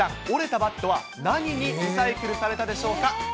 折れたバットは何にリサイクルされたでしょうか。